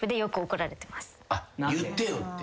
「言ってよ」って？